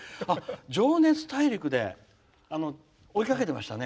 「情熱大陸」で追いかけてましたね。